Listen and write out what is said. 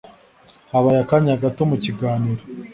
Habaye akanya gato mukiganiro.